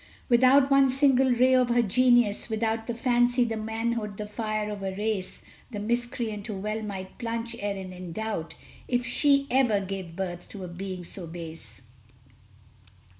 Without one single ray of her genius, without The fancy, the manhood, the fire of her race The miscreant who well might plunge Erin in doubt If she ever gave birth to a being so base.